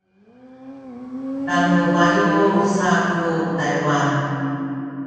tanu buyu’ saku Taywan